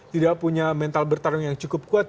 tidak punya mental bertarung yang cukup kuat